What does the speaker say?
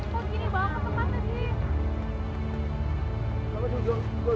hai jok gimana mereka aku nggak tau